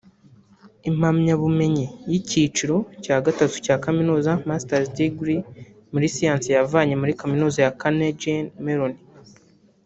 Impamyabumenyi y’ikiciro cya gatatu cya Kaminuza(Masters degree) muri siyansi yavanye muri Kaminuza ya Carnegie Mellon